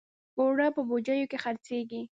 اوړه په بوجیو کې خرڅېږي